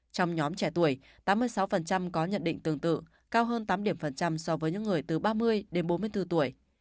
trong nhóm trẻ tuổi tám mươi sáu có nhận định tương tự cao hơn tám điểm phần trăm so với những người từ ba mươi đến bốn mươi bốn tuổi